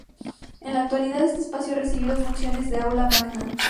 En la actualidad, este espacio ha recibido funciones de aula magna.